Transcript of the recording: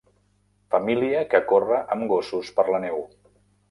Família que corre amb gossos per la neu.